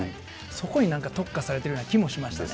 そこになんか特化されているような気もしましたね。